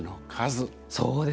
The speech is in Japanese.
そうですね。